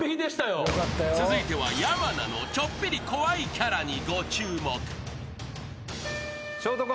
［続いては山名のちょっぴり怖いキャラにご注目］